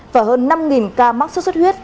và hơn năm ca mắc xuất xuất huyết